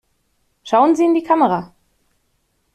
Schauen Sie in die Kamera!